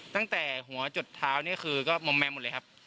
ตั้งแต่หัวจดเท้านี่คือก็มอมแมมหมดเลยครับ